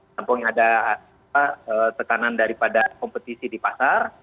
sampai ada tekanan daripada kompetisi di pasar